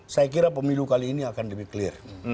saya kira pemilu kali ini akan lebih clear